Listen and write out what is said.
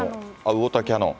ウォーターキャノン。